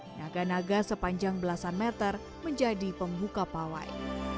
naga naga sepanjang belasan meter menjadi pembuka pawai